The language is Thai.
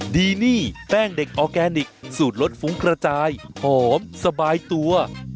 ดีนี่แป้งเด็กออร์แกนิคสูตรรสฟุ้งกระจายหอมสบายตัว